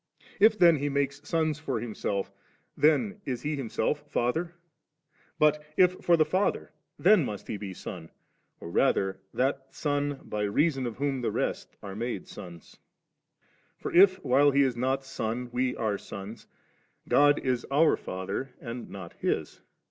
If then He makes sons for Himself, then is He Himself Father; but if for the Father, then must He be Son, or rather that Son, by reason of Whom the rest are made sons. 23. For if, while He is not Son, we are sons, God is our Father and not His.